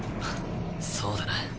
そうだな。